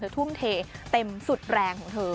ทุ่มเทเต็มสุดแรงของเธอ